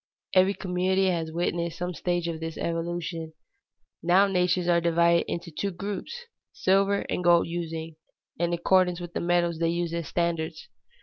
Every community has witnessed some stage of this evolution. Now nations are divided into two great groups, silver and gold using, in accordance with the metals they use as standards.